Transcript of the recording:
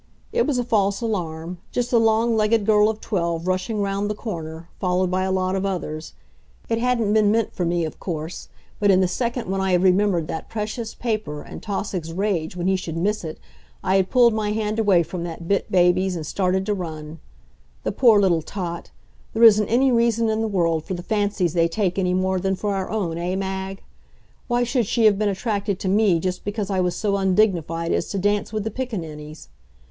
It was a false alarm; just a long legged girl of twelve rushing round the corner, followed by a lot of others. It hadn't been meant for me, of course, but in the second when I had remembered that precious paper and Tausig's rage when he should miss it, I had pulled my hand away from that bit baby's and started to run. The poor little tot! There isn't any reason in the world for the fancies they take any more than for our own; eh, Mag? Why should she have been attracted to me just because I was so undignified as to dance with the piccaninnies?